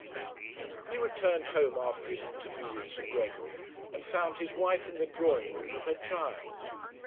He returned home after his interview with Sir Gregory, and found his wife in the drawing room with her child.